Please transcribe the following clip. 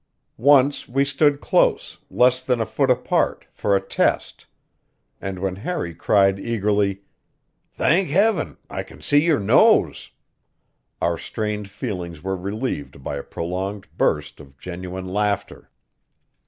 Once we stood close, less than a foot apart, for a test; and when Harry cried eagerly, "Thank Heaven, I can see your nose!" our strained feelings were relieved by a prolonged burst of genuine laughter.